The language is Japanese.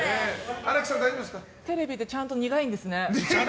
テレビでちゃんと苦いんですね。